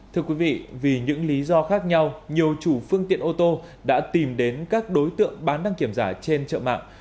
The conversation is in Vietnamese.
thưa quý vị vì những lý do khác nhau nhiều chủ phương tiện ô tô đã tìm đến các đối tượng bán đăng kiểm giả trên trợ mạng